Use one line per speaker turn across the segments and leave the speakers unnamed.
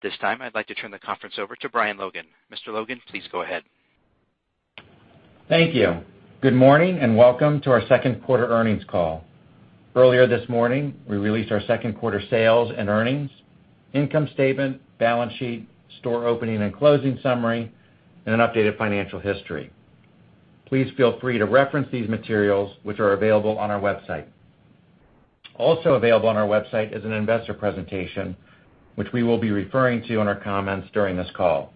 This time, I'd like to turn the conference over to Brian Logan. Mr. Logan, please go ahead.
Thank you. Good morning, and welcome to our second quarter earnings call. Earlier this morning, we released our second quarter sales and earnings, income statement, balance sheet, store opening and closing summary, and an updated financial history. Please feel free to reference these materials, which are available on our website. Also available on our website is an investor presentation, which we will be referring to in our comments during this call.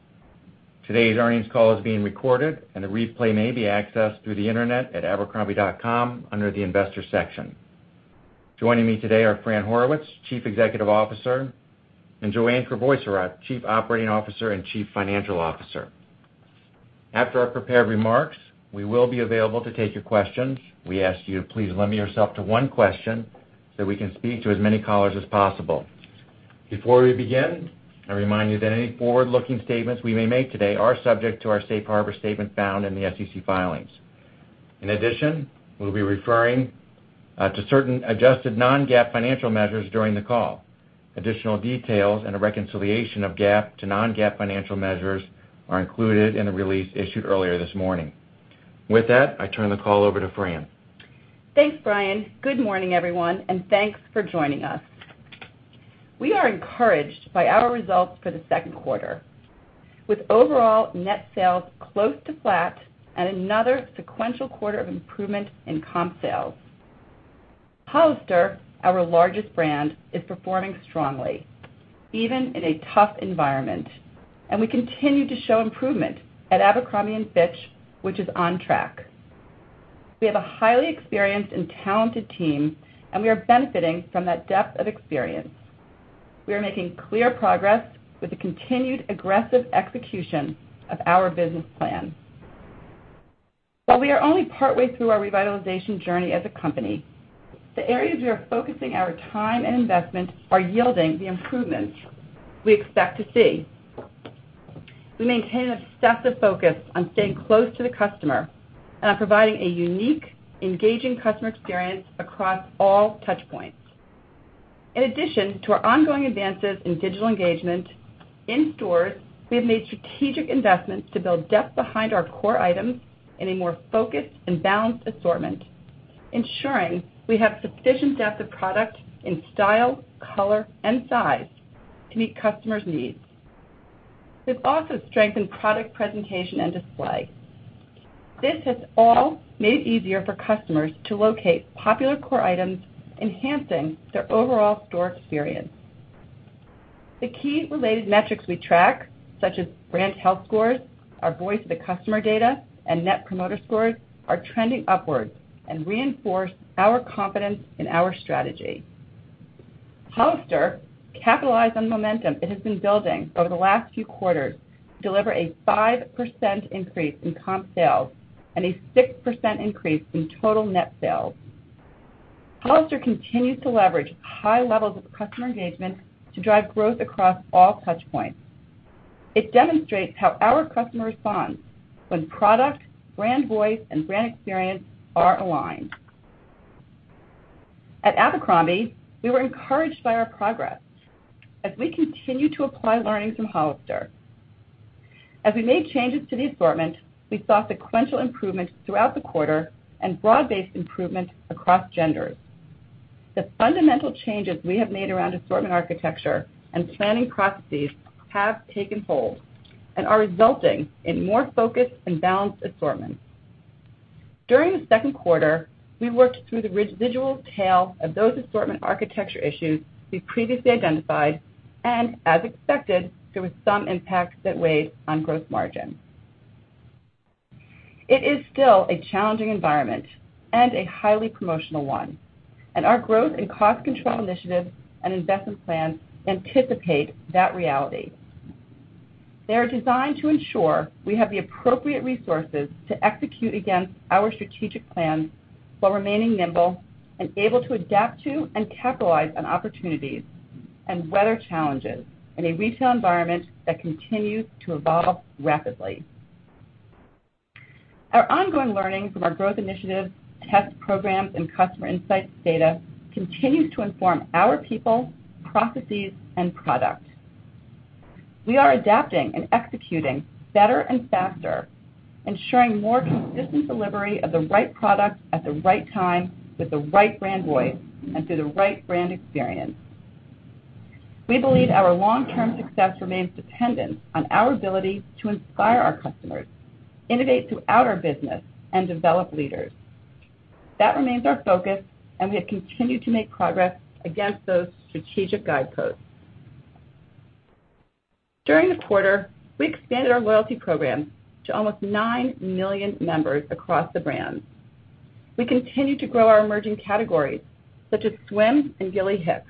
Today's earnings call is being recorded, and the replay may be accessed through the internet at abercrombie.com under the investor section. Joining me today are Fran Horowitz, Chief Executive Officer, and Joanne Crevoiserat, our Chief Operating Officer and Chief Financial Officer. After our prepared remarks, we will be available to take your questions. We ask you to please limit yourself to one question so we can speak to as many callers as possible. Before we begin, I remind you that any forward-looking statements we may make today are subject to our safe harbor statement found in the SEC filings. In addition, we'll be referring to certain adjusted non-GAAP financial measures during the call. Additional details and a reconciliation of GAAP to non-GAAP financial measures are included in the release issued earlier this morning. With that, I turn the call over to Fran.
Thanks, Brian. Good morning, everyone, and thanks for joining us. We are encouraged by our results for the second quarter. With overall net sales close to flat and another sequential quarter of improvement in comp sales. Hollister, our largest brand, is performing strongly even in a tough environment, and we continue to show improvement at Abercrombie & Fitch, which is on track. We have a highly experienced and talented team, and we are benefiting from that depth of experience. We are making clear progress with the continued aggressive execution of our business plan. While we are only partway through our revitalization journey as a company, the areas we are focusing our time and investment are yielding the improvements we expect to see. We maintain an obsessive focus on staying close to the customer and on providing a unique, engaging customer experience across all touch points. In addition to our ongoing advances in digital engagement, in stores, we have made strategic investments to build depth behind our core items in a more focused and balanced assortment, ensuring we have sufficient depth of product in style, color, and size to meet customers' needs. We've also strengthened product presentation and display. This has all made it easier for customers to locate popular core items, enhancing their overall store experience. The key related metrics we track, such as brand health scores, our voice of the customer data, and net promoter scores, are trending upwards and reinforce our confidence in our strategy. Hollister capitalized on momentum it has been building over the last few quarters to deliver a 5% increase in comp sales and a 6% increase in total net sales. Hollister continues to leverage high levels of customer engagement to drive growth across all touch points. It demonstrates how our customer responds when product, brand voice, and brand experience are aligned. At Abercrombie, we were encouraged by our progress as we continue to apply learnings from Hollister. As we made changes to the assortment, we saw sequential improvements throughout the quarter and broad-based improvements across genders. The fundamental changes we have made around assortment architecture and planning processes have taken hold and are resulting in more focused and balanced assortments. During the second quarter, we worked through the residual tail of those assortment architecture issues we previously identified, and as expected, there was some impact that weighed on gross margin. It is still a challenging environment and a highly promotional one, and our growth and cost control initiatives and investment plan anticipate that reality. They are designed to ensure we have the appropriate resources to execute against our strategic plans while remaining nimble and able to adapt to and capitalize on opportunities and weather challenges in a retail environment that continues to evolve rapidly. Our ongoing learning from our growth initiatives, test programs, and customer insights data continues to inform our people, processes, and product. We are adapting and executing better and faster, ensuring more consistent delivery of the right product at the right time with the right brand voice and through the right brand experience. We believe our long-term success remains dependent on our ability to inspire our customers, innovate throughout our business, and develop leaders. That remains our focus, and we have continued to make progress against those strategic guideposts. During the quarter, we expanded our loyalty program to almost nine million members across the brands. We continue to grow our emerging categories such as swim and Gilly Hicks.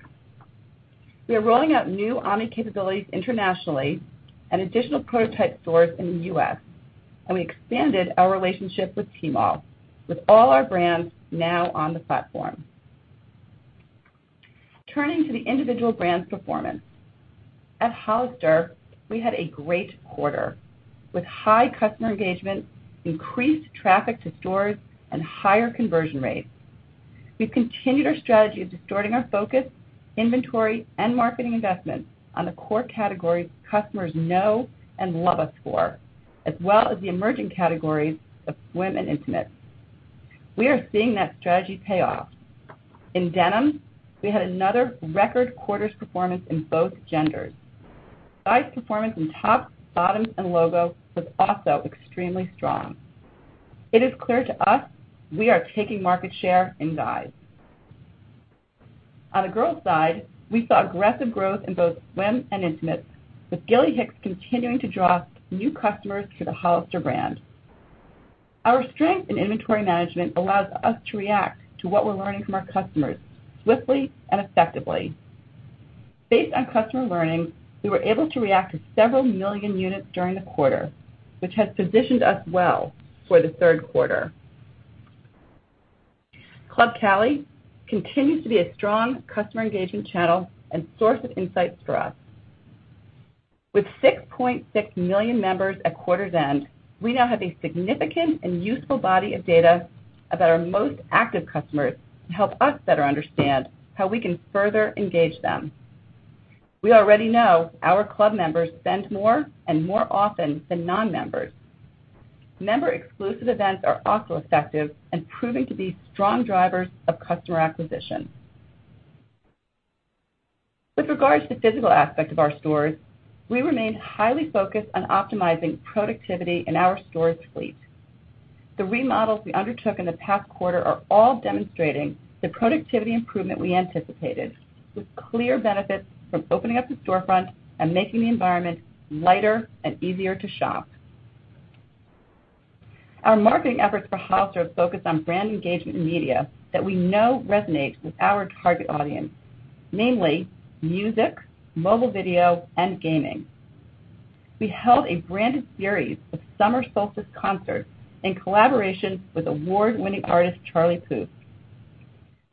We are rolling out new omni capabilities internationally and additional prototype stores in the U.S., and we expanded our relationship with Tmall, with all our brands now on the platform. Turning to the individual brands performance. At Hollister, we had a great quarter with high customer engagement, increased traffic to stores, and higher conversion rates. We've continued our strategy of distorting our focus, inventory, and marketing investments on the core categories customers know and love us for, as well as the emerging categories of swim and intimates. We are seeing that strategy pay off. In denim, we had another record quarter's performance in both genders. Guys performance in tops, bottoms, and logo was also extremely strong. It is clear to us we are taking market share in guys. On the girls side, we saw aggressive growth in both swim and intimates, with Gilly Hicks continuing to draw new customers to the Hollister brand. Our strength in inventory management allows us to react to what we're learning from our customers swiftly and effectively. Based on customer learnings, we were able to react to several million units during the quarter, which has positioned us well for the third quarter. Club Cali continues to be a strong customer engagement channel and source of insights for us. With 6.6 million members at quarter's end, we now have a significant and useful body of data about our most active customers to help us better understand how we can further engage them. We already know our club members spend more and more often than non-members. Member exclusive events are also effective and proving to be strong drivers of customer acquisition. With regards to physical aspect of our stores, we remain highly focused on optimizing productivity in our store fleet. The remodels we undertook in the past quarter are all demonstrating the productivity improvement we anticipated, with clear benefits from opening up the storefront and making the environment lighter and easier to shop. Our marketing efforts for Hollister are focused on brand engagement in media that we know resonates with our target audience, namely music, mobile video, and gaming. We held a branded series of summer solstice concerts in collaboration with award-winning artist Charlie Puth.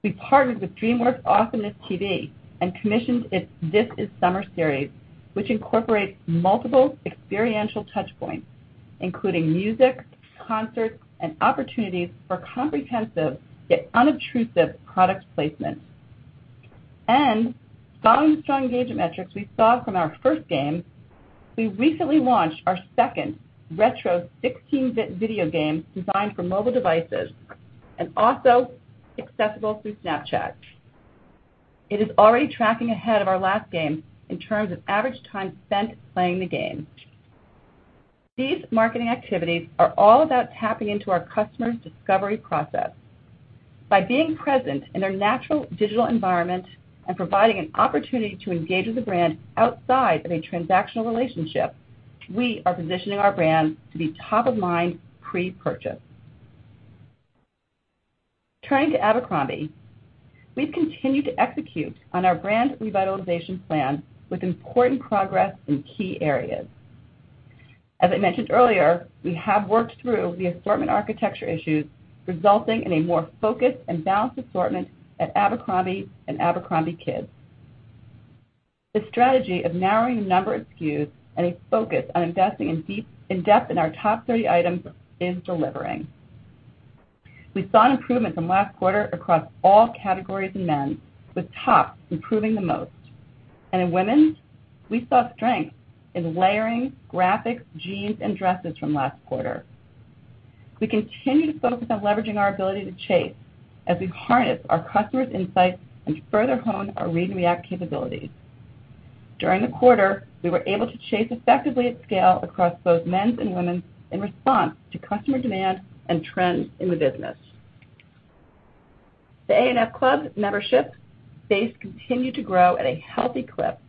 We partnered with DreamWorks AwesomenessTV and commissioned its This Is Summer series, which incorporates multiple experiential touchpoints, including music, concerts, and opportunities for comprehensive, yet unobtrusive product placement. Following the strong engagement metrics we saw from our first game, we recently launched our second retro 16-bit video game designed for mobile devices and also accessible through Snapchat. It is already tracking ahead of our last game in terms of average time spent playing the game. These marketing activities are all about tapping into our customers' discovery process. By being present in their natural digital environment and providing an opportunity to engage with the brand outside of a transactional relationship, we are positioning our brand to be top of mind pre-purchase. Turning to Abercrombie, we've continued to execute on our brand revitalization plan with important progress in key areas. As I mentioned earlier, we have worked through the assortment architecture issues, resulting in a more focused and balanced assortment at Abercrombie and abercrombie kids. The strategy of narrowing the number of SKUs and a focus on investing in depth in our top 30 items is delivering. We saw an improvement from last quarter across all categories in men's, with tops improving the most. In women's, we saw strength in layering, graphics, jeans, and dresses from last quarter. We continue to focus on leveraging our ability to chase, as we harness our customers' insights and further hone our read and react capabilities. During the quarter, we were able to chase effectively at scale across both men's and women's in response to customer demand and trends in the business. The A&F Club membership base continued to grow at a healthy clip,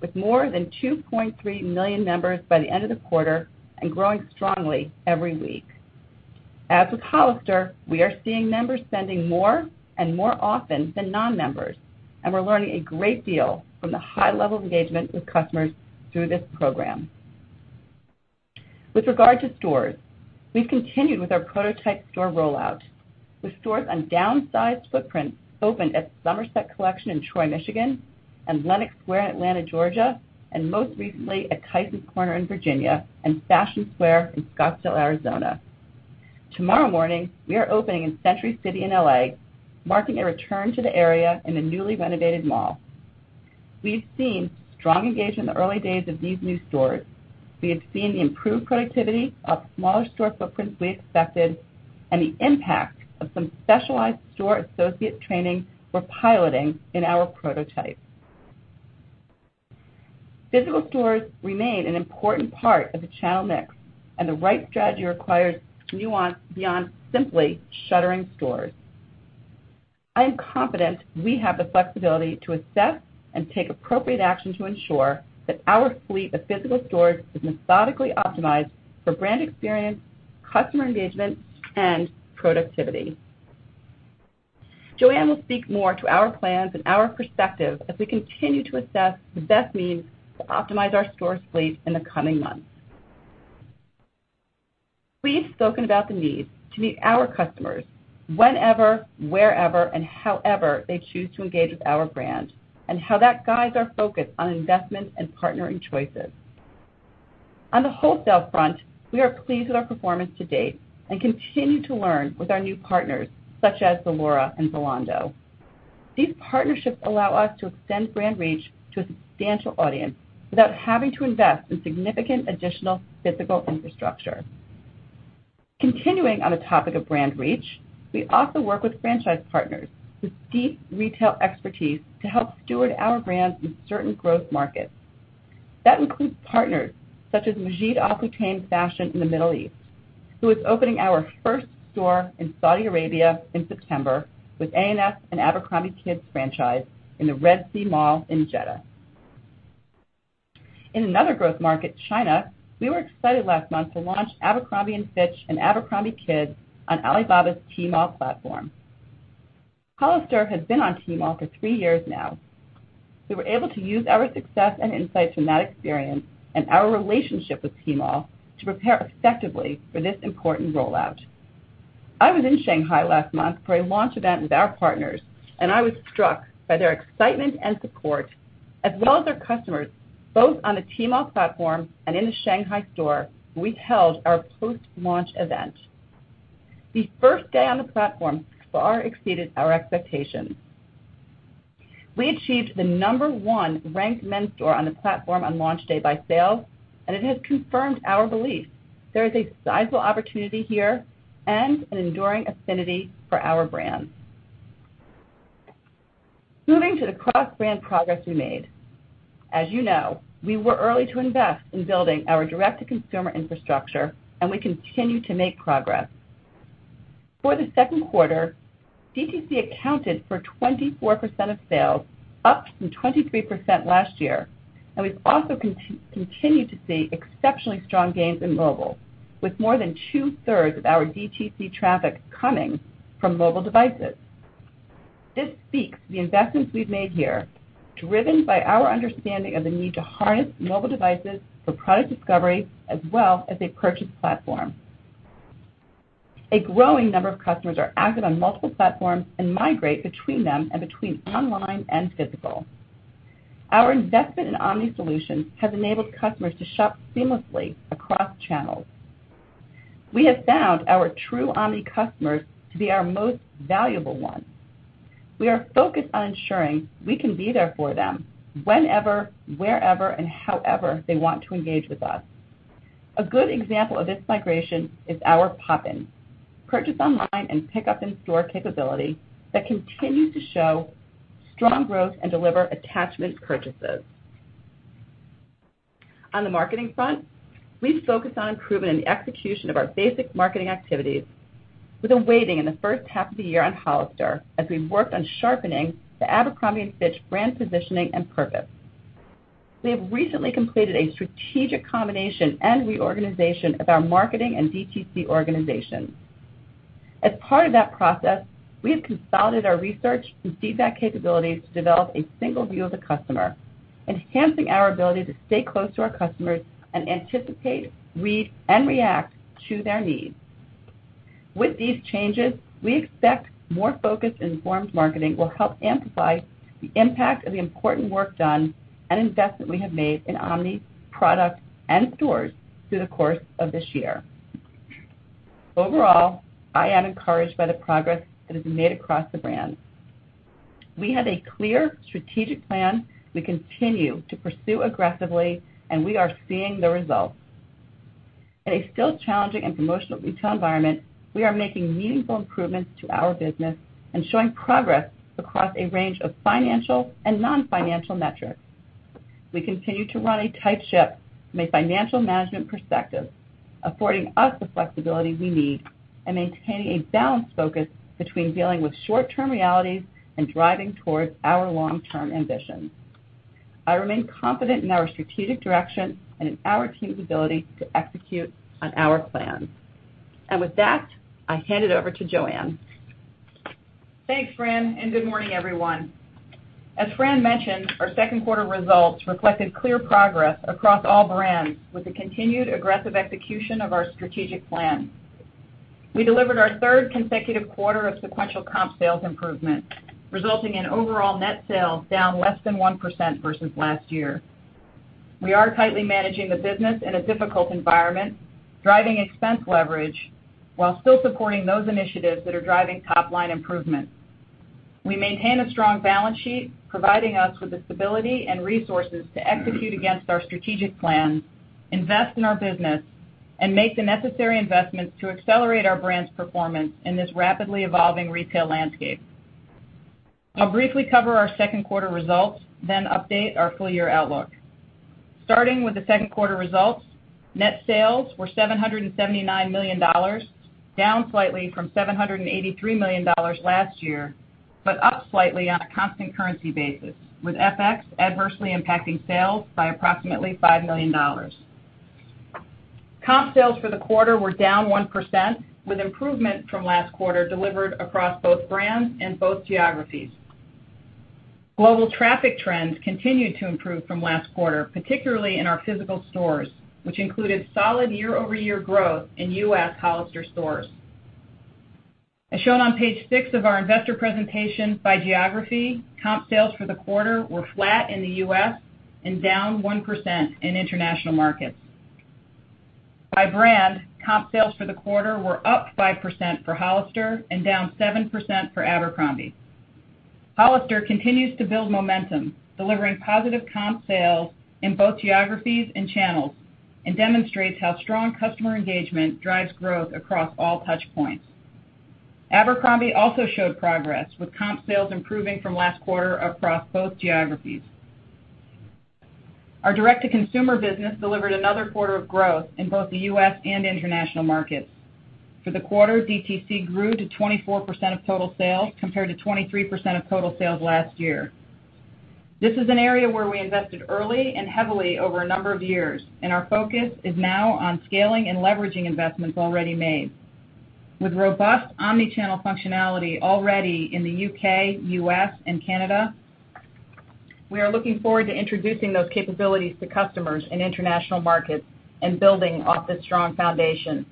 with more than 2.3 million members by the end of the quarter and growing strongly every week. As with Hollister, we are seeing members spending more and more often than non-members, and we're learning a great deal from the high level of engagement with customers through this program. With regard to stores, we've continued with our prototype store rollout, with stores on downsized footprints opened at Somerset Collection in Troy, Michigan, and Lenox Square, Atlanta, Georgia, and most recently at Tysons Corner Center in Virginia and Fashion Square in Scottsdale, Arizona. Tomorrow morning, we are opening in Century City in L.A., marking a return to the area in a newly renovated mall. We've seen strong engagement in the early days of these new stores. We have seen the improved productivity of the smaller store footprints we expected and the impact of some specialized store associate training we're piloting in our prototype. Physical stores remain an important part of the channel mix. The right strategy requires nuance beyond simply shuttering stores. I am confident we have the flexibility to assess and take appropriate action to ensure that our fleet of physical stores is methodically optimized for brand experience, customer engagement, and productivity. Joanne will speak more to our plans and our perspective as we continue to assess the best means to optimize our store fleet in the coming months. We've spoken about the need to meet our customers whenever, wherever, and however they choose to engage with our brand and how that guides our focus on investment and partnering choices. On the wholesale front, we are pleased with our performance to date and continue to learn with our new partners such as ZALORA and Zalando. These partnerships allow us to extend brand reach to a substantial audience without having to invest in significant additional physical infrastructure. Continuing on the topic of brand reach, we also work with franchise partners with deep retail expertise to help steward our brands in certain growth markets. That includes partners such as Majid Al Futtaim Fashion in the Middle East, who is opening our first store in Saudi Arabia in September with A&F and abercrombie kids franchise in the Red Sea Mall in Jeddah. In another growth market, China, we were excited last month to launch Abercrombie & Fitch and abercrombie kids on Alibaba's Tmall platform. Hollister has been on Tmall for three years now. We were able to use our success and insights from that experience and our relationship with Tmall to prepare effectively for this important rollout. I was in Shanghai last month for a launch event with our partners. I was struck by their excitement and support as well as their customers, both on the Tmall platform and in the Shanghai store where we held our post-launch event. The first day on the platform far exceeded our expectations. We achieved the number one ranked men's store on the platform on launch day by sales. It has confirmed our belief there is a sizable opportunity here and an enduring affinity for our brand. Moving to the cross-brand progress we made. As you know, we were early to invest in building our direct-to-consumer infrastructure. We continue to make progress. For the second quarter, DTC accounted for 24% of sales, up from 23% last year, and we've also continued to see exceptionally strong gains in mobile, with more than two-thirds of our DTC traffic coming from mobile devices. This speaks to the investments we've made here, driven by our understanding of the need to harness mobile devices for product discovery as well as a purchase platform. A growing number of customers are active on multiple platforms and migrate between them and between online and physical. Our investment in omni solutions has enabled customers to shop seamlessly across channels. We have found our true omni customers to be our most valuable ones. We are focused on ensuring we can be there for them whenever, wherever, and however they want to engage with us. A good example of this migration is our BOPIS, purchase online and pick up in store capability that continues to show strong growth and deliver attachment purchases. On the marketing front, we've focused on improving the execution of our basic marketing activities with a weighting in the first half of the year on Hollister as we worked on sharpening the Abercrombie & Fitch brand positioning and purpose. We have recently completed a strategic combination and reorganization of our marketing and DTC organization. As part of that process, we have consolidated our research and feedback capabilities to develop a single view of the customer, enhancing our ability to stay close to our customers and anticipate, read, and react to their needs. With these changes, we expect more focused and informed marketing will help amplify the impact of the important work done and investment we have made in omni, product, and stores through the course of this year. I am encouraged by the progress that has been made across the brands. We have a clear strategic plan we continue to pursue aggressively, and we are seeing the results. In a still challenging and promotional retail environment, we are making meaningful improvements to our business and showing progress across a range of financial and non-financial metrics. We continue to run a tight ship from a financial management perspective, affording us the flexibility we need and maintaining a balanced focus between dealing with short-term realities and driving towards our long-term ambitions. I remain confident in our strategic direction and in our team's ability to execute on our plan. With that, I hand it over to Joanne.
Thanks, Fran, good morning, everyone. As Fran mentioned, our second quarter results reflected clear progress across all brands with the continued aggressive execution of our strategic plan. We delivered our third consecutive quarter of sequential comp sales improvement, resulting in overall net sales down less than 1% versus last year. We are tightly managing the business in a difficult environment, driving expense leverage while still supporting those initiatives that are driving top-line improvements. We maintain a strong balance sheet, providing us with the stability and resources to execute against our strategic plan, invest in our business, and make the necessary investments to accelerate our brand's performance in this rapidly evolving retail landscape. I'll briefly cover our second quarter results, then update our full-year outlook. Starting with the second quarter results, net sales were $779 million, down slightly from $783 million last year, but up slightly on a constant currency basis, with FX adversely impacting sales by approximately $5 million. Comp sales for the quarter were down 1%, with improvement from last quarter delivered across both brands and both geographies. Global traffic trends continued to improve from last quarter, particularly in our physical stores, which included solid year-over-year growth in U.S. Hollister stores. As shown on page six of our investor presentation by geography, comp sales for the quarter were flat in the U.S. and down 1% in international markets. By brand, comp sales for the quarter were up 5% for Hollister and down 7% for Abercrombie. Hollister continues to build momentum, delivering positive comp sales in both geographies and channels, demonstrates how strong customer engagement drives growth across all touch points. Abercrombie also showed progress with comp sales improving from last quarter across both geographies. Our direct-to-consumer business delivered another quarter of growth in both the U.S. and international markets. For the quarter, DTC grew to 24% of total sales, compared to 23% of total sales last year. This is an area where we invested early and heavily over a number of years. Our focus is now on scaling and leveraging investments already made. With robust omni-channel functionality already in the U.K., U.S., and Canada, we are looking forward to introducing those capabilities to customers in international markets and building off this strong foundation.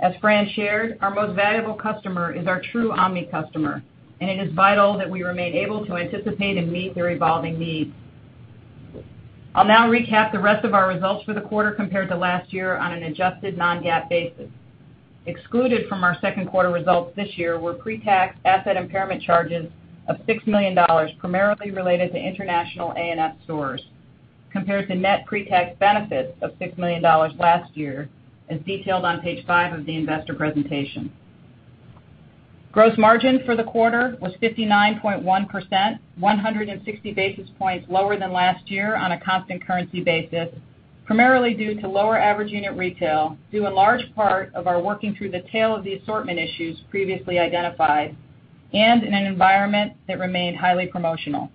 As Fran shared, our most valuable customer is our true omni customer. It is vital that we remain able to anticipate and meet their evolving needs. I'll now recap the rest of our results for the quarter compared to last year on an adjusted non-GAAP basis. Excluded from our second quarter results this year were pre-tax asset impairment charges of $6 million, primarily related to international A&F stores, compared to net pre-tax benefits of $6 million last year, as detailed on page five of the investor presentation. Gross margin for the quarter was 59.1%, 160 basis points lower than last year on a constant currency basis, primarily due to lower average unit retail, due in large part of our working through the tail of the assortment issues previously identified, in an environment that remained highly promotional.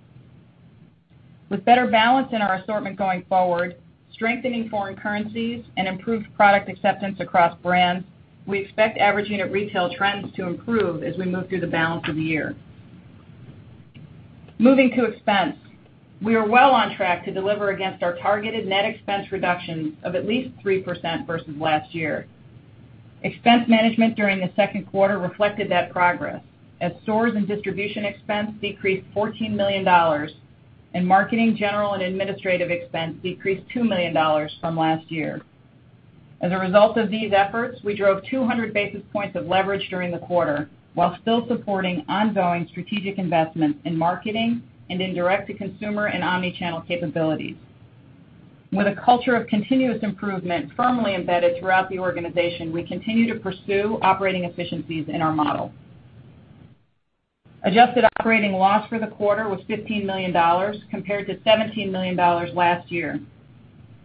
With better balance in our assortment going forward, strengthening foreign currencies, improved product acceptance across brands, we expect average unit retail trends to improve as we move through the balance of the year. Moving to expense. We are well on track to deliver against our targeted net expense reductions of at least 3% versus last year. Expense management during the second quarter reflected that progress as stores and distribution expense decreased $14 million and marketing, general, and administrative expense decreased $2 million from last year. As a result of these efforts, we drove 200 basis points of leverage during the quarter while still supporting ongoing strategic investments in marketing and in direct-to-consumer and omni-channel capabilities. With a culture of continuous improvement firmly embedded throughout the organization, we continue to pursue operating efficiencies in our model. Adjusted operating loss for the quarter was $15 million, compared to $17 million last year.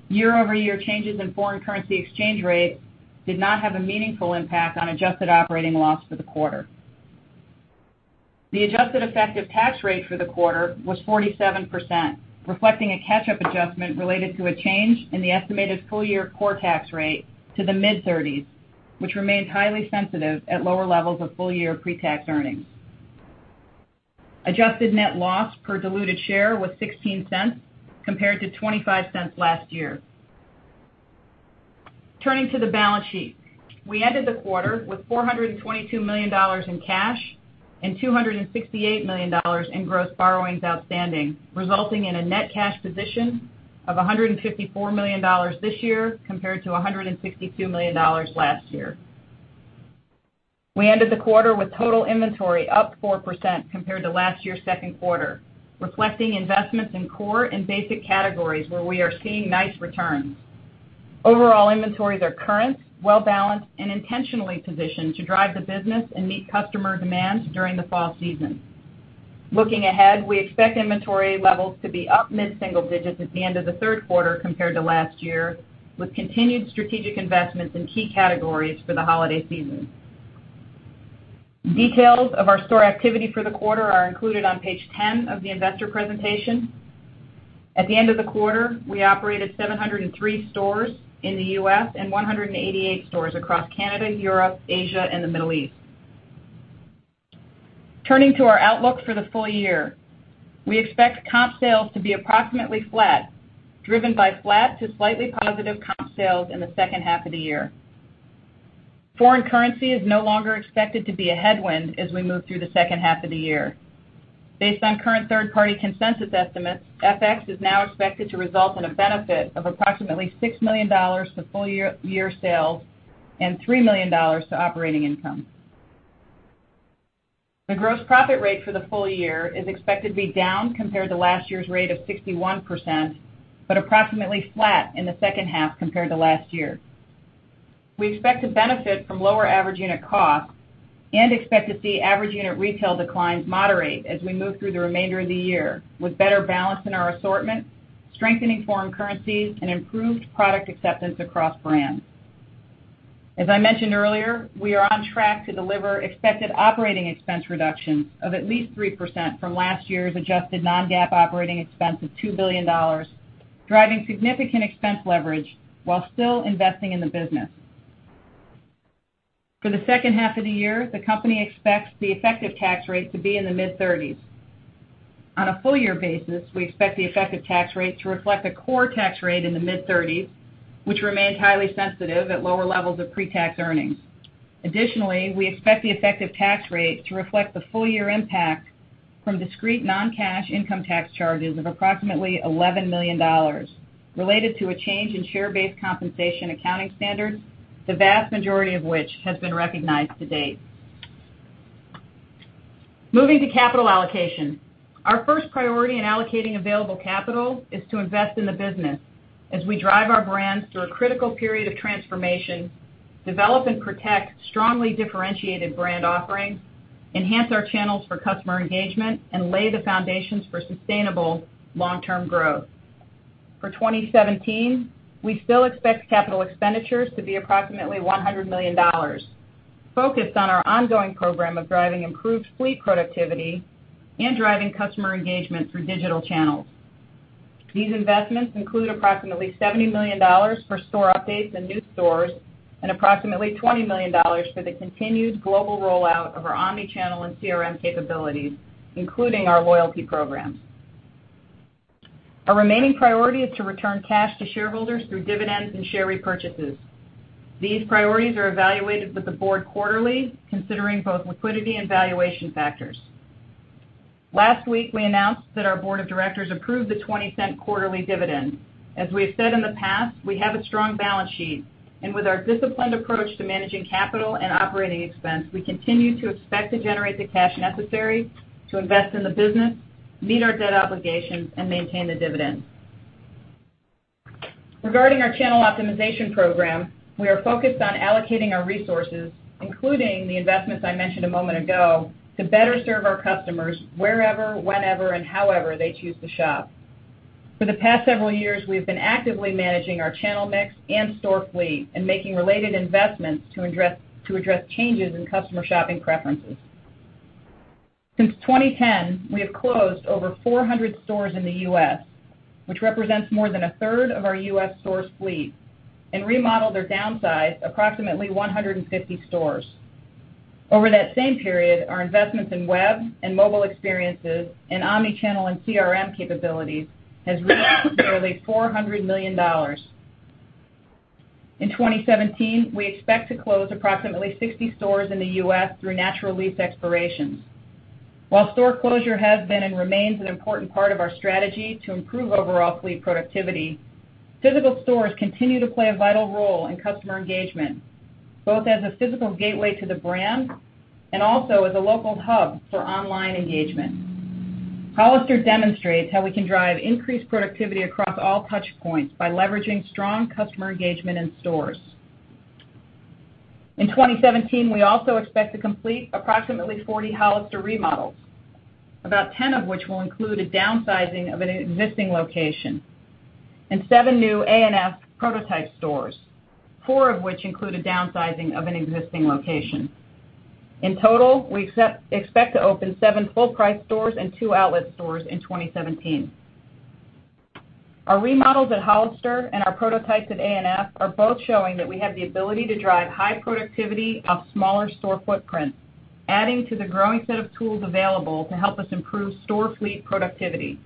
Year-over-year changes in foreign currency exchange rates did not have a meaningful impact on adjusted operating loss for the quarter. The adjusted effective tax rate for the quarter was 47%, reflecting a catch-up adjustment related to a change in the estimated full-year core tax rate to the mid-30s, which remained highly sensitive at lower levels of full-year pre-tax earnings. Adjusted net loss per diluted share was $0.16 compared to $0.25 last year. Turning to the balance sheet. We ended the quarter with $422 million in cash and $268 million in gross borrowings outstanding, resulting in a net cash position of $154 million this year compared to $162 million last year. We ended the quarter with total inventory up 4% compared to last year's second quarter, reflecting investments in core and basic categories where we are seeing nice returns. Overall inventories are current, well-balanced, and intentionally positioned to drive the business and meet customer demands during the fall season. Looking ahead, we expect inventory levels to be up mid-single digits at the end of the third quarter compared to last year, with continued strategic investments in key categories for the holiday season. Details of our store activity for the quarter are included on page 10 of the investor presentation. At the end of the quarter, we operated 703 stores in the U.S. and 188 stores across Canada, Europe, Asia, and the Middle East. Turning to our outlook for the full year. We expect comp sales to be approximately flat, driven by flat to slightly positive comp sales in the second half of the year. Foreign currency is no longer expected to be a headwind as we move through the second half of the year. Based on current third-party consensus estimates, FX is now expected to result in a benefit of approximately $6 million to full-year sales and $3 million to operating income. The gross profit rate for the full year is expected to be down compared to last year's rate of 61%, but approximately flat in the second half compared to last year. We expect to benefit from lower average unit costs and expect to see average unit retail declines moderate as we move through the remainder of the year with better balance in our assortment, strengthening foreign currencies, and improved product acceptance across brands. As I mentioned earlier, we are on track to deliver expected operating expense reductions of at least 3% from last year's adjusted non-GAAP operating expense of $2 billion, driving significant expense leverage while still investing in the business. For the second half of the year, the company expects the effective tax rate to be in the mid-30s. On a full year basis, we expect the effective tax rate to reflect a core tax rate in the mid-30s, which remains highly sensitive at lower levels of pre-tax earnings. Additionally, we expect the effective tax rate to reflect the full year impact from discrete non-cash income tax charges of approximately $11 million related to a change in share-based compensation accounting standards, the vast majority of which has been recognized to date. Moving to capital allocation. Our first priority in allocating available capital is to invest in the business as we drive our brands through a critical period of transformation, develop and protect strongly differentiated brand offerings, enhance our channels for customer engagement, and lay the foundations for sustainable long-term growth. For 2017, we still expect capital expenditures to be approximately $100 million, focused on our ongoing program of driving improved fleet productivity and driving customer engagement through digital channels. These investments include approximately $70 million for store updates and new stores and approximately $20 million for the continued global rollout of our omni-channel and CRM capabilities, including our loyalty programs. Our remaining priority is to return cash to shareholders through dividends and share repurchases. These priorities are evaluated with the board quarterly, considering both liquidity and valuation factors. Last week, we announced that our board of directors approved the $0.20 quarterly dividend. As we have said in the past, we have a strong balance sheet, and with our disciplined approach to managing capital and operating expense, we continue to expect to generate the cash necessary to invest in the business, meet our debt obligations, and maintain the dividend. Regarding our channel optimization program, we are focused on allocating our resources, including the investments I mentioned a moment ago, to better serve our customers wherever, whenever, and however they choose to shop. For the past several years, we've been actively managing our channel mix and store fleet and making related investments to address changes in customer shopping preferences. Since 2010, we have closed over 400 stores in the U.S., which represents more than a third of our U.S. store fleet, and remodeled or downsized approximately 150 stores. Over that same period, our investments in web and mobile experiences and omni-channel and CRM capabilities has reached nearly $400 million. In 2017, we expect to close approximately 60 stores in the U.S. through natural lease expirations. While store closure has been and remains an important part of our strategy to improve overall fleet productivity, physical stores continue to play a vital role in customer engagement, both as a physical gateway to the brand and also as a local hub for online engagement. Hollister demonstrates how we can drive increased productivity across all touch points by leveraging strong customer engagement in stores. In 2017, we also expect to complete approximately 40 Hollister remodels, about 10 of which will include a downsizing of an existing location, and 7 new A&F prototype stores, 4 of which include a downsizing of an existing location. In total, we expect to open 7 full-price stores and 2 outlet stores in 2017. Our remodels at Hollister and our prototypes at A&F are both showing that we have the ability to drive high productivity of smaller store footprints, adding to the growing set of tools available to help us improve store fleet productivity.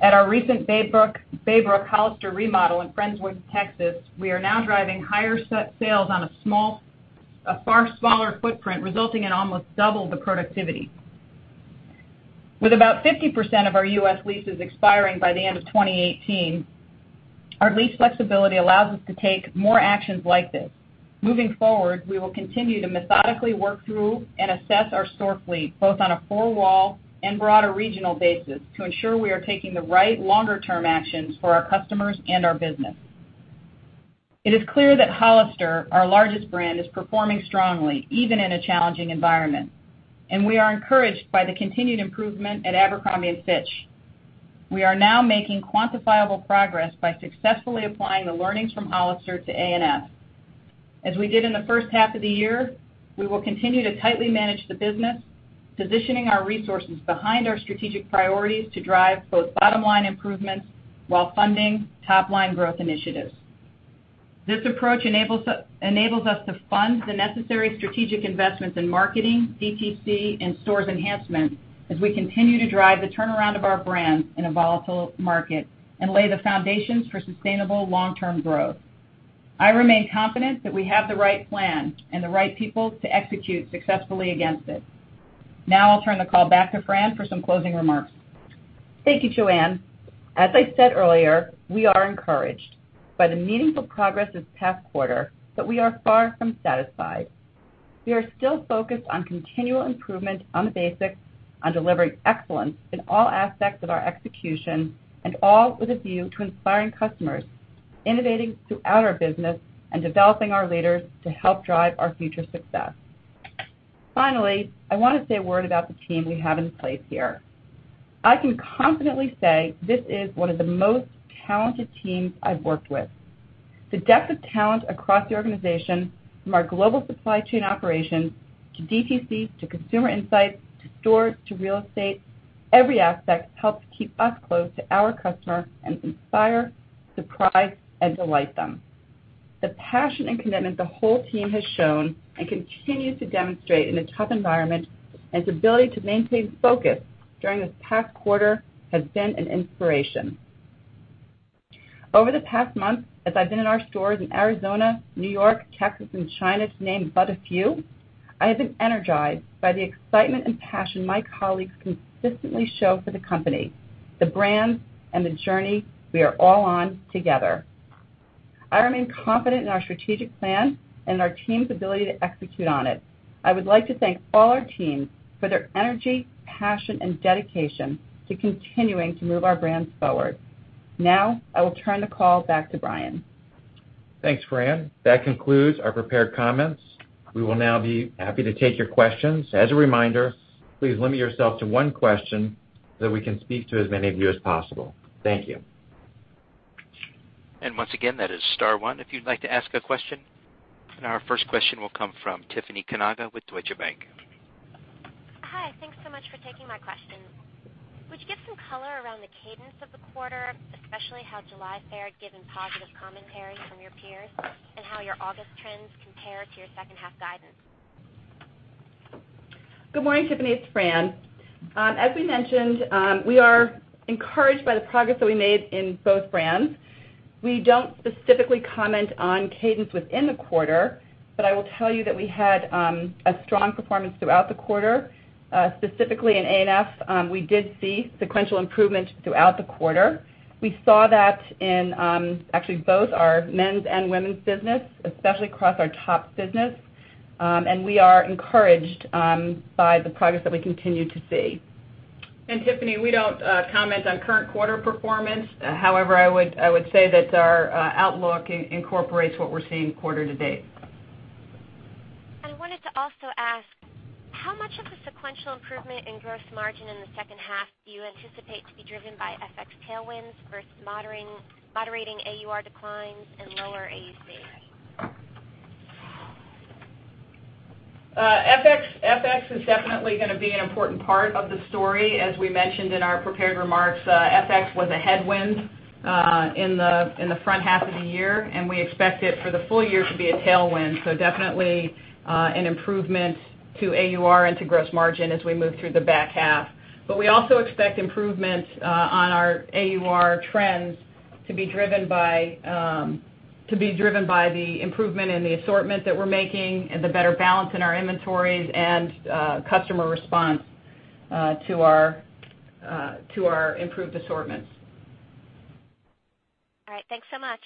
At our recent Baybrook Hollister remodel in Friendswood, Texas, we are now driving higher set sales on a far smaller footprint, resulting in almost double the productivity. With about 50% of our U.S. leases expiring by the end of 2018, our lease flexibility allows us to take more actions like this. Moving forward, we will continue to methodically work through and assess our store fleet, both on a four-wall and broader regional basis to ensure we are taking the right longer-term actions for our customers and our business. It is clear that Hollister, our largest brand, is performing strongly even in a challenging environment, and we are encouraged by the continued improvement at Abercrombie & Fitch. We are now making quantifiable progress by successfully applying the learnings from Hollister to A&F. As we did in the first half of the year, we will continue to tightly manage the business, positioning our resources behind our strategic priorities to drive both bottom-line improvements while funding top-line growth initiatives. This approach enables us to fund the necessary strategic investments in marketing, DTC, and stores enhancement as we continue to drive the turnaround of our brands in a volatile market and lay the foundations for sustainable long-term growth. I remain confident that we have the right plan and the right people to execute successfully against it. I'll turn the call back to Fran for some closing remarks.
Thank you, Joanne. As I said earlier, we are encouraged by the meaningful progress this past quarter, we are far from satisfied. We are still focused on continual improvement on the basics, on delivering excellence in all aspects of our execution, and all with a view to inspiring customers, innovating throughout our business, and developing our leaders to help drive our future success. Finally, I want to say a word about the team we have in place here. I can confidently say this is one of the most talented teams I've worked with. The depth of talent across the organization, from our global supply chain operations to DTC, to consumer insights, to stores, to real estate, every aspect helps keep us close to our customer and inspire, surprise, and delight them. The passion and commitment the whole team has shown and continues to demonstrate in a tough environment, and its ability to maintain focus during this past quarter has been an inspiration. Over the past month, as I've been in our stores in Arizona, New York, Texas, and China, to name but a few, I have been energized by the excitement and passion my colleagues consistently show for the company, the brands, and the journey we are all on together. I remain confident in our strategic plan and our team's ability to execute on it. I would like to thank all our teams for their energy, passion, and dedication to continuing to move our brands forward. I will turn the call back to Brian.
Thanks, Fran. That concludes our prepared comments. We will now be happy to take your questions. As a reminder, please limit yourself to one question so that we can speak to as many of you as possible. Thank you.
Once again, that is star one if you'd like to ask a question. Our first question will come from Tiffany Kanaga with Deutsche Bank.
Hi. Thanks so much for taking my questions. Would you give some color around the cadence of the quarter, especially how July fared given positive commentary from your peers, and how your August trends compare to your second half guidance?
Good morning, Tiffany. It's Fran. As we mentioned, we are encouraged by the progress that we made in both brands. We don't specifically comment on cadence within the quarter, but I will tell you that we had a strong performance throughout the quarter. Specifically in A&F, we did see sequential improvement throughout the quarter. We saw that in actually both our men's and women's business, especially across our top business. We are encouraged by the progress that we continue to see.
Tiffany, we don't comment on current quarter performance. However, I would say that our outlook incorporates what we're seeing quarter to date.
I wanted to also ask, how much of the sequential improvement in gross margin in the second half do you anticipate to be driven by FX tailwinds versus moderating AUR declines and lower AUC?
FX is definitely going to be an important part of the story. As we mentioned in our prepared remarks, FX was a headwind in the front half of the year, we expect it for the full year to be a tailwind. Definitely an improvement to AUR and to gross margin as we move through the back half. We also expect improvements on our AUR trends to be driven by the improvement in the assortment that we're making and the better balance in our inventories and customer response to our improved assortments.
All right. Thanks so much.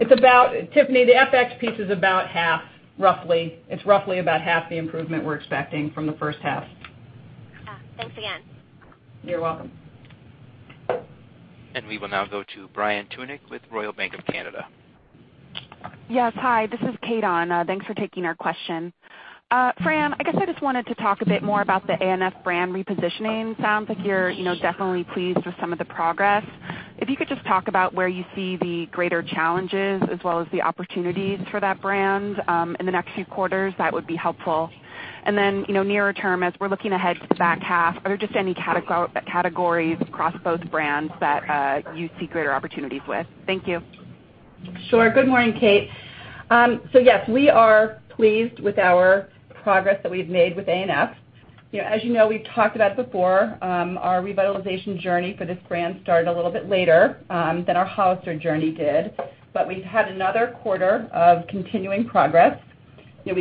Tiffany, the FX piece is about half, roughly. It's roughly about half the improvement we're expecting from the first half.
Thanks again.
You're welcome.
We will now go to Kate Fitzsimons with RBC Capital Markets.
Yes. Hi, this is Kate Fitzsimons. Thanks for taking our question. Fran, I guess I just wanted to talk a bit more about the A&F brand repositioning. Sounds like you're definitely pleased with some of the progress. If you could just talk about where you see the greater challenges as well as the opportunities for that brand in the next few quarters, that would be helpful. Nearer term, as we're looking ahead to the back half, are there just any categories across both brands that you see greater opportunities with? Thank you.
Sure. Good morning, Kate. Yes, we are pleased with our progress that we've made with A&F. As you know, we've talked about it before, our revitalization journey for this brand started a little bit later than our Hollister journey did. We've had another quarter of continuing progress. This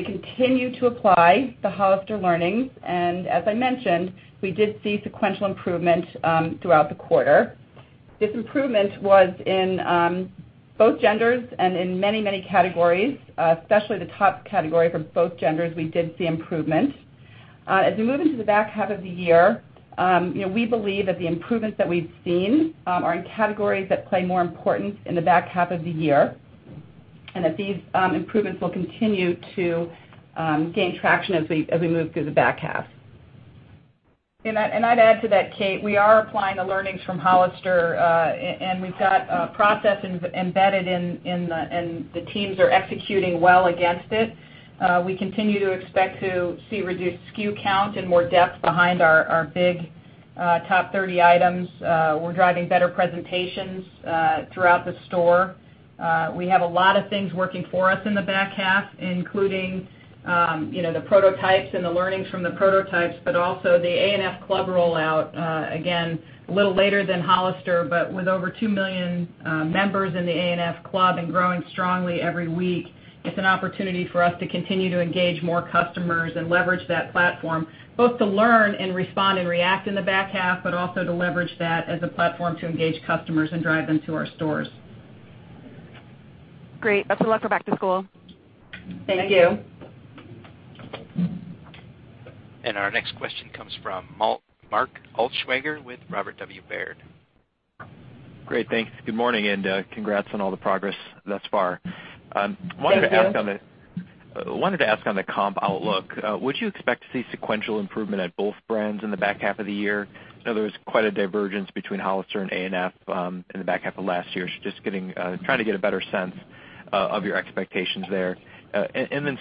improvement was in both genders and in many categories, especially the top category from both genders, we did see improvement. As we move into the back half of the year, we believe that the improvements that we've seen are in categories that play more importance in the back half of the year, and that these improvements will continue to gain traction as we move through the back half.
I'd add to that, Kate, we are applying the learnings from Hollister, and we've got a process embedded, and the teams are executing well against it. We continue to expect to see reduced SKU count and more depth behind our big top 30 items. We're driving better presentations throughout the store. We have a lot of things working for us in the back half, including the prototypes and the learnings from the prototypes, but also the A&F Club rollout. Again, a little later than Hollister, but with over 2 million members in the A&F Club and growing strongly every week, it's an opportunity for us to continue to engage more customers and leverage that platform, both to learn and respond and react in the back half, but also to leverage that as a platform to engage customers and drive them to our stores.
Great. Best of luck for back to school.
Thank you.
Thank you.
Our next question comes from Mark Altschwager with Robert W. Baird.
Great. Thanks. Good morning, congrats on all the progress thus far.
Thank you.
Wanted to ask on the comp outlook, would you expect to see sequential improvement at both brands in the back half of the year? I know there was quite a divergence between Hollister and A&F in the back half of last year. Just trying to get a better sense of your expectations there.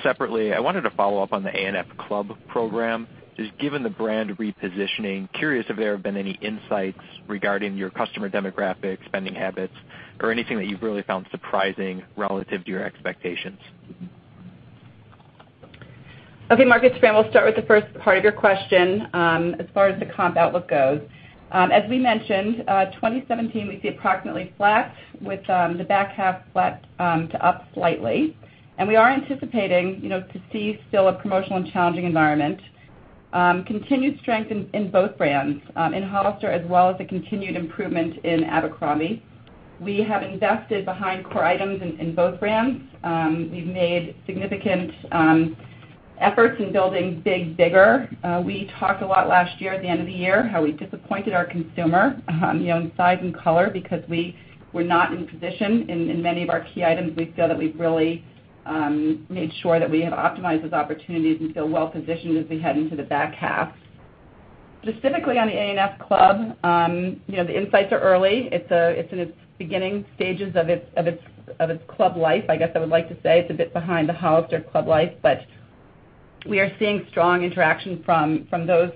Separately, I wanted to follow up on the A&F Club program. Just given the brand repositioning, curious if there have been any insights regarding your customer demographics, spending habits, or anything that you've really found surprising relative to your expectations.
Okay, Mark, Fran we'll start with the first part of your question. As far as the comp outlook goes. As we mentioned, 2017, we see approximately flat with the back half flat to up slightly. We are anticipating to see still a promotional and challenging environment. Continued strength in both brands, in Hollister as well as the continued improvement in Abercrombie. We have invested behind core items in both brands. We've made significant efforts in building big, bigger. We talked a lot last year at the end of the year, how we disappointed our consumer in size and color because we were not in position in many of our key items. We feel that we've really made sure that we have optimized those opportunities and feel well positioned as we head into the back half. Specifically on the A&F Club, the insights are early. It's in its beginning stages of its club life, I guess I would like to say. It's a bit behind the Hollister club life, we are seeing strong interaction from those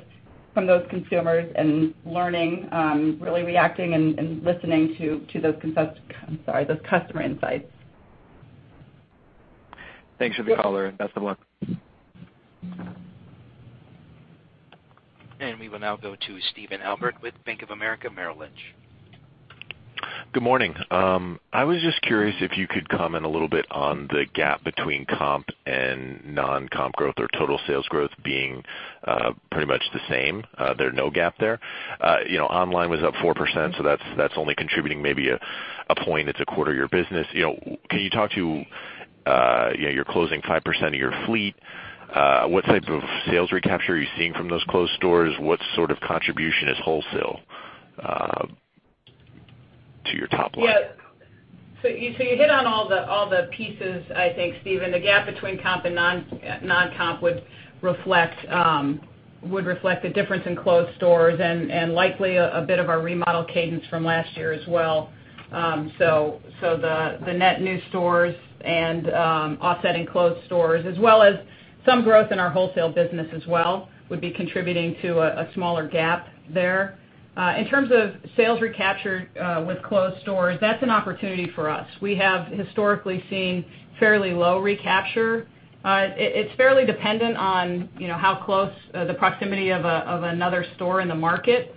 consumers and learning, really reacting and listening to those customer insights.
Thanks for the call, best of luck.
We will now go to Stephen Albert with Bank of America Merrill Lynch.
Good morning. I was just curious if you could comment a little bit on the gap between comp and non-comp growth, or total sales growth being pretty much the same. There are no gap there. Online was up 4%, so that's only contributing maybe a point. It's a quarter of your business. You're closing 5% of your fleet. What type of sales recapture are you seeing from those closed stores? What sort of contribution is wholesale to your top line?
Yeah. You hit on all the pieces, I think, Steven. The gap between comp and non-comp would reflect the difference in closed stores and likely a bit of our remodel cadence from last year as well. The net new stores and offsetting closed stores, as well as some growth in our wholesale business as well, would be contributing to a smaller gap there. In terms of sales recapture with closed stores, that's an opportunity for us. We have historically seen fairly low recapture. It's fairly dependent on how close the proximity of another store in the market.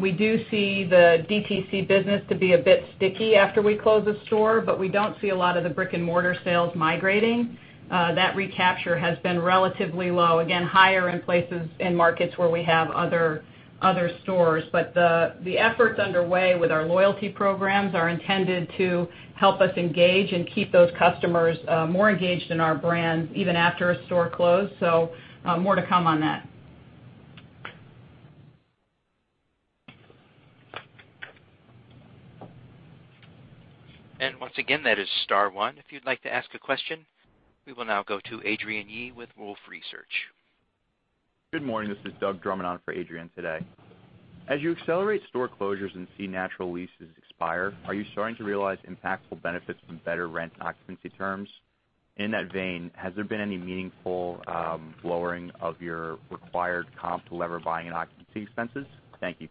We do see the DTC business to be a bit sticky after we close a store, but we don't see a lot of the brick-and-mortar sales migrating. That recapture has been relatively low, again, higher in places in markets where we have other stores. The efforts underway with our loyalty programs are intended to help us engage and keep those customers more engaged in our brands, even after a store close. More to come on that.
Once again, that is star one if you'd like to ask a question. We will now go to Adrienne Yih with Wolfe Research.
Good morning. This is Doug Drummond on for Adrienne today. As you accelerate store closures and see natural leases expire, are you starting to realize impactful benefits from better rent occupancy terms? In that vein, has there been any meaningful lowering of your required comp to lever buying and occupancy expenses? Thank you.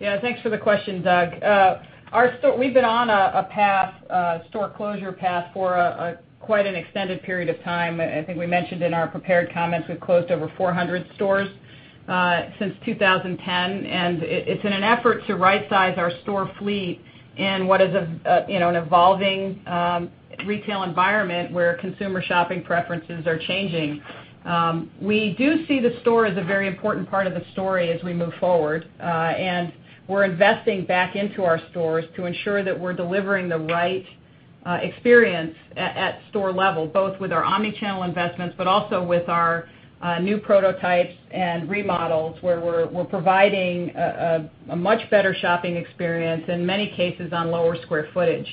Yeah. Thanks for the question, Dylan. We've been on a store closure path for quite an extended period of time. I think I mentioned in our prepared comments, we've closed over 400 stores since 2010. It's in an effort to right-size our store fleet in what is an evolving retail environment where consumer shopping preferences are changing. We do see the store as a very important part of the story as we move forward. We're investing back into our stores to ensure that we're delivering the right experience at store level, both with our omni-channel investments, but also with our new prototypes and remodels, where we're providing a much better shopping experience, in many cases, on lower square footage.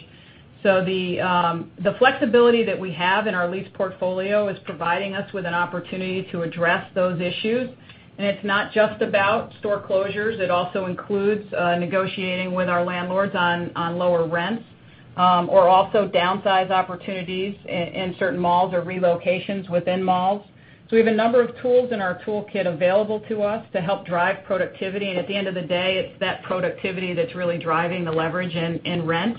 The flexibility that we have in our lease portfolio is providing us with an opportunity to address those issues. It's not just about store closures. It also includes negotiating with our landlords on lower rents or also downsize opportunities in certain malls or relocations within malls. We have a number of tools in our toolkit available to us to help drive productivity. At the end of the day, it's that productivity that's really driving the leverage in rent.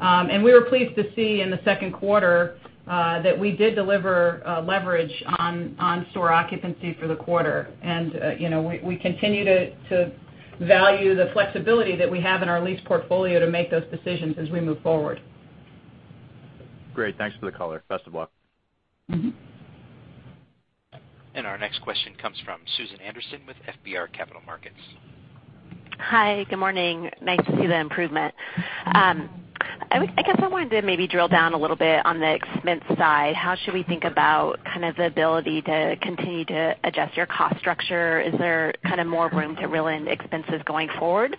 We were pleased to see in the second quarter that we did deliver leverage on store occupancy for the quarter. We continue to value the flexibility that we have in our lease portfolio to make those decisions as we move forward.
Great. Thanks for the color. Best of luck.
Our next question comes from Susan Anderson with FBR Capital Markets.
Hi. Good morning. Nice to see the improvement. I guess I wanted to maybe drill down a little bit on the expense side. How should we think about kind of the ability to continue to adjust your cost structure? Is there kind of more room to reel in expenses going forward?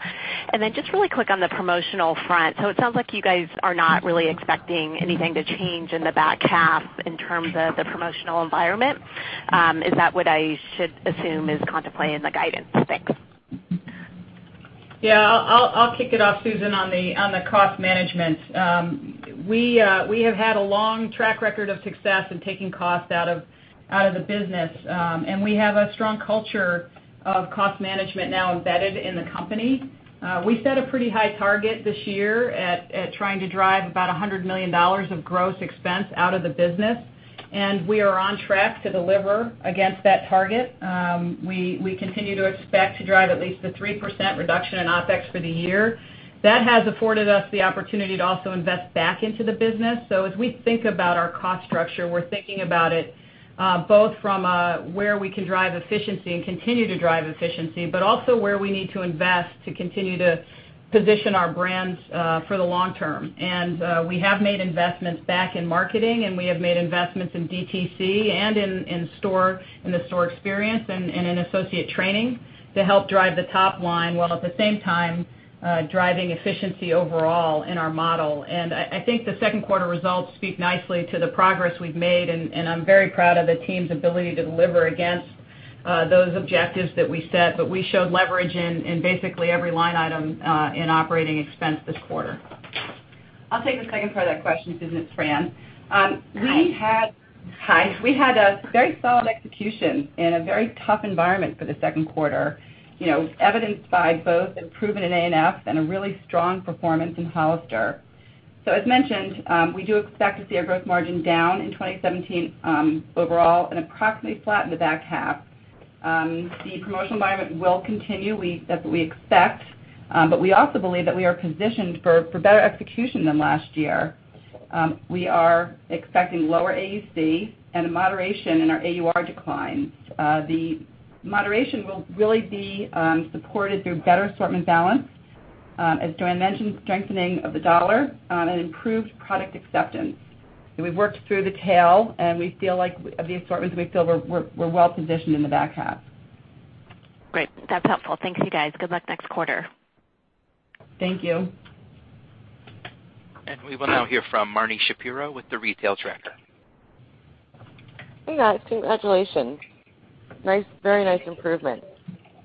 Then just really quick on the promotional front. It sounds like you guys are not really expecting anything to change in the back half in terms of the promotional environment. Is that what I should assume is contemplated in the guidance? Thanks.
Yeah. I'll kick it off, Susan, on the cost management. We have had a long track record of success in taking costs out of the business, and we have a strong culture of cost management now embedded in the company. We set a pretty high target this year at trying to drive about $100 million of gross expense out of the business, and we are on track to deliver against that target. We continue to expect to drive at least the 3% reduction in OpEx for the year. That has afforded us the opportunity to also invest back into the business. As we think about our cost structure, we're thinking about it both from where we can drive efficiency and continue to drive efficiency, but also where we need to invest to continue to position our brands for the long term. We have made investments back in marketing, and we have made investments in DTC and in store, in the store experience and in associate training to help drive the top line, while at the same time driving efficiency overall in our model. I think the second quarter results speak nicely to the progress we've made, and I'm very proud of the team's ability to deliver against those objectives that we set. We showed leverage in basically every line item in operating expense this quarter.
I'll take the second part of that question, Susan. It's Fran.
Hi.
Hi. We had a very solid execution in a very tough environment for the second quarter, evidenced by both improvement in ANF and a really strong performance in Hollister. As mentioned, we do expect to see our gross margin down in 2017, overall, and approximately flat in the back half. The promotional environment will continue. That's what we expect, but we also believe that we are positioned for better execution than last year. We are expecting lower AUC and a moderation in our AUR declines. The moderation will really be supported through better assortment balance. As Joanne mentioned, strengthening of the dollar and improved product acceptance. We've worked through the tail, and of the assortments, we feel we're well positioned in the back half.
Great. That's helpful. Thank you, guys. Good luck next quarter.
Thank you.
We will now hear from Marni Shapiro with The Retail Tracker.
Hey, guys. Congratulations. Very nice improvement.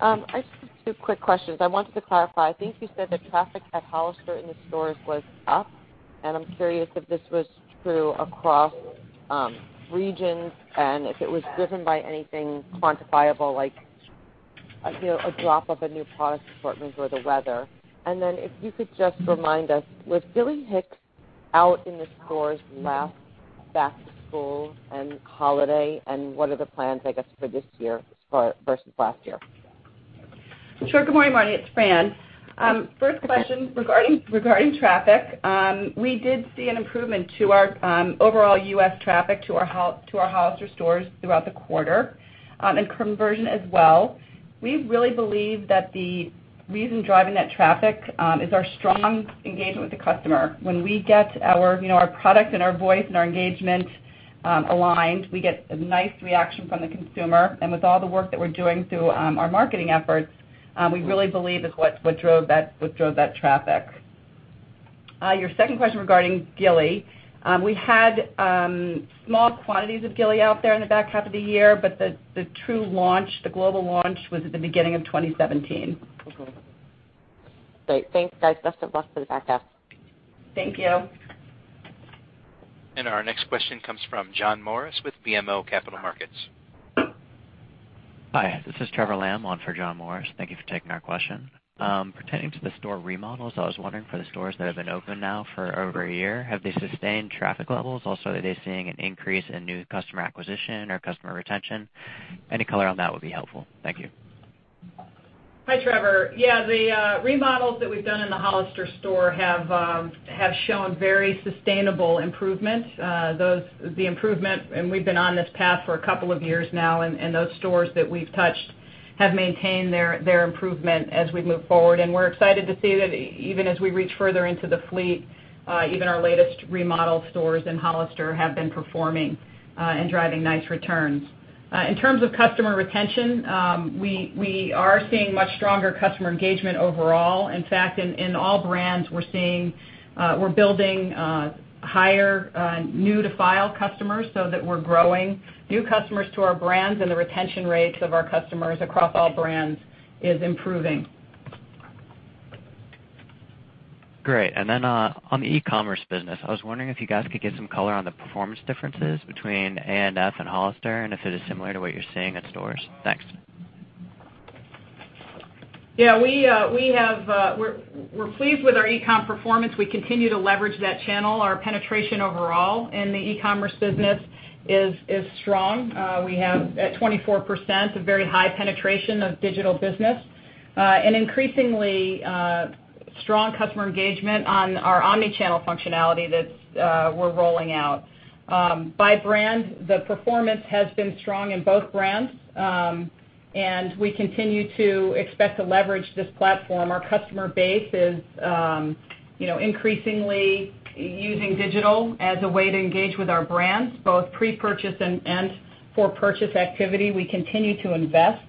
I just have two quick questions. I wanted to clarify, I think you said that traffic at Hollister in the stores was up, and I'm curious if this was true across regions and if it was driven by anything quantifiable like a drop of a new product assortment or the weather. Then if you could just remind us, was Gilly Hicks out in the stores last back to school and holiday, and what are the plans, I guess, for this year versus last year?
Sure. Good morning, Marni. It's Fran. First question regarding traffic. We did see an improvement to our overall U.S. traffic to our Hollister stores throughout the quarter, and conversion as well. We really believe that the reason driving that traffic is our strong engagement with the customer. When we get our product and our voice and our engagement aligned, we get a nice reaction from the consumer. With all the work that we're doing through our marketing efforts, we really believe is what drove that traffic. Your second question regarding Gilly. We had small quantities of Gilly out there in the back half of the year, but the true launch, the global launch was at the beginning of 2017.
Okay. Great. Thanks, guys. Best of luck for the back half.
Thank you.
Our next question comes fromTrevor Lamb with BMO Capital Markets.
Hi, this is Trevor Lamb on for John Morris. Thank you for taking our question. Pertaining to the store remodels, I was wondering for the stores that have been open now for over a year, have they sustained traffic levels? Also, are they seeing an increase in new customer acquisition or customer retention? Any color on that would be helpful. Thank you.
Hi, Trevor. Yeah, the remodels that we've done in the Hollister store have shown very sustainable improvements. The improvement, and we've been on this path for a couple of years now, and those stores that we've touched have maintained their improvement as we move forward. We're excited to see that even as we reach further into the fleet, even our latest remodeled stores in Hollister have been performing and driving nice returns. In terms of customer retention, we are seeing much stronger customer engagement overall. In fact, in all brands, we're building higher new to file customers so that we're growing new customers to our brands, and the retention rates of our customers across all brands is improving.
Great. On the e-commerce business, I was wondering if you guys could give some color on the performance differences between ANF and Hollister, and if it is similar to what you're seeing in stores. Thanks.
Yeah. We're pleased with our e-com performance. We continue to leverage that channel. Our penetration overall in the e-commerce business is strong. We have at 24%, a very high penetration of digital business, increasingly strong customer engagement on our omni-channel functionality that we're rolling out. By brand, the performance has been strong in both brands, we continue to expect to leverage this platform. Our customer base is increasingly using digital as a way to engage with our brands, both pre-purchase and for purchase activity. We continue to invest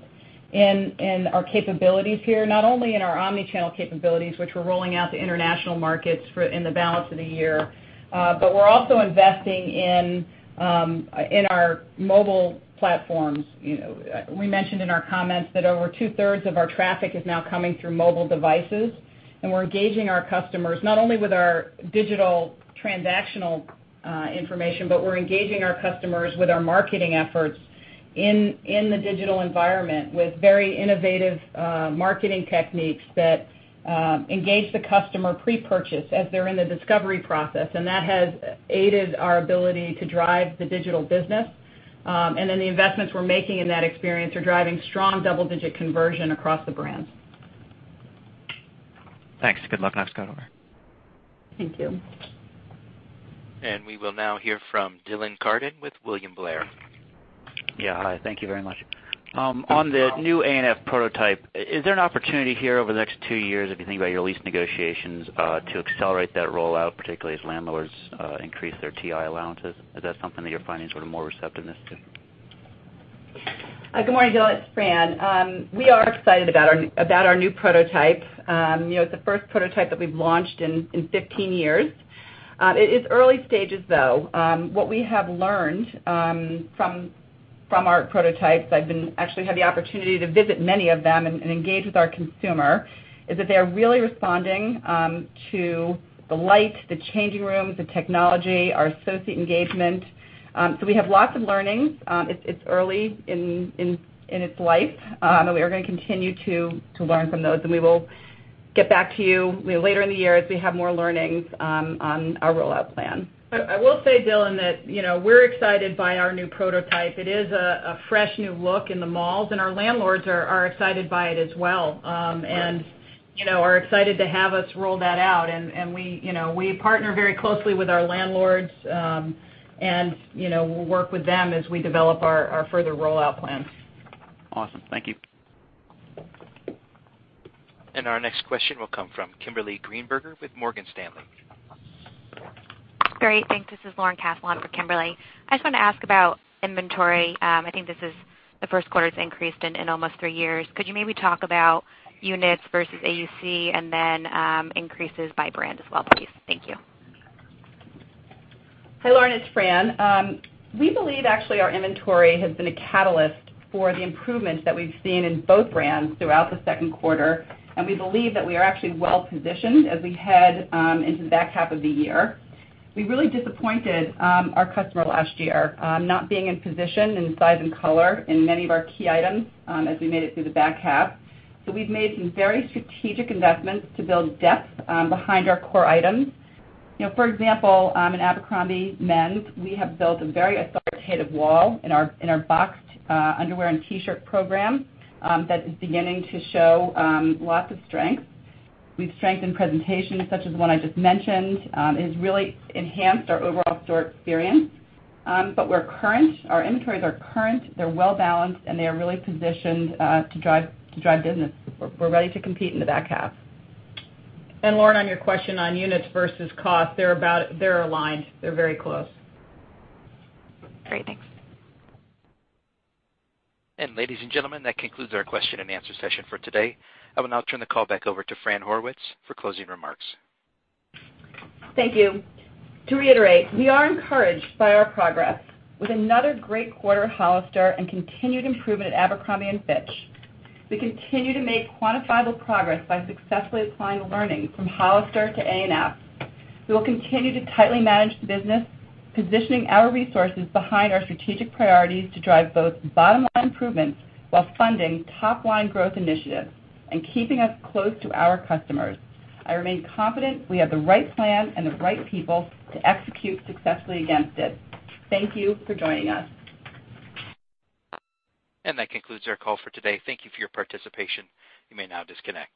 in our capabilities here, not only in our omni-channel capabilities, which we're rolling out to international markets in the balance of the year, we're also investing in our mobile platforms. We mentioned in our comments that over two-thirds of our traffic is now coming through mobile devices. We're engaging our customers, not only with our digital transactional information, but we're engaging our customers with our marketing efforts in the digital environment with very innovative marketing techniques that engage the customer pre-purchase as they're in the discovery process. That has aided our ability to drive the digital business. The investments we're making in that experience are driving strong double-digit conversion across the brands.
Thanks. Good luck. I'll pass it over..
Thank you.
We will now hear from Dylan Carden with William Blair.
Yeah. Hi, thank you very much. On the new A&F prototype, is there an opportunity here over the next two years, if you think about your lease negotiations, to accelerate that rollout, particularly as landlords increase their TI allowances? Is that something that you're finding sort of more receptiveness to?
Good morning, Dylan, it's Fran. We are excited about our new prototype. It's the first prototype that we've launched in 15 years. It is early stages though. What we have learned from our prototypes, I've actually had the opportunity to visit many of them and engage with our consumer, is that they're really responding to the light, the changing rooms, the technology, our associate engagement. We have lots of learnings. It's early in its life, and we are going to continue to learn from those, and we will get back to you later in the year as we have more learnings on our rollout plan.
I will say, Dylan, that we're excited by our new prototype. It is a fresh new look in the malls, Our landlords are excited by it as well.
Great.
Our landlords are excited to have us roll that out, We partner very closely with our landlords, and we'll work with them as we develop our further rollout plans.
Awesome. Thank you.
Our next question will come from Lauren Cassel with Morgan Stanley.
Great. Thanks. This is Lauren Cassel on for Kimberly. I just wanted to ask about inventory. I think this is the first quarter it's increased in almost three years. Could you maybe talk about units versus AUC and then increases by brand as well, please? Thank you.
Hi, Lauren, it's Fran. We believe actually our inventory has been a catalyst for the improvements that we've seen in both brands throughout the second quarter. We believe that we are actually well-positioned as we head into the back half of the year. We really disappointed our customer last year, not being in position in size and color in many of our key items as we made it through the back half. We've made some very strategic investments to build depth behind our core items. For example, in Abercrombie men's, we have built a very authoritative wall in our boxed underwear and T-shirt program that is beginning to show lots of strength. We've strengthened presentations such as the one I just mentioned. It has really enhanced our overall store experience. Our inventories are current, they're well-balanced, and they are really positioned to drive business. We're ready to compete in the back half.
Lauren, on your question on units versus cost, they're aligned. They're very close.
Great. Thanks.
Ladies and gentlemen, that concludes our question and answer session for today. I will now turn the call back over to Fran Horowitz for closing remarks.
Thank you. To reiterate, we are encouraged by our progress. With another great quarter at Hollister and continued improvement at Abercrombie & Fitch, we continue to make quantifiable progress by successfully applying learning from Hollister to A&F. We will continue to tightly manage the business, positioning our resources behind our strategic priorities to drive both bottom-line improvements while funding top-line growth initiatives and keeping us close to our customers. I remain confident we have the right plan and the right people to execute successfully against it. Thank you for joining us.
That concludes our call for today. Thank you for your participation. You may now disconnect.